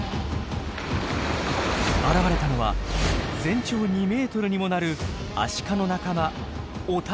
現れたのは全長２ｍにもなるアシカの仲間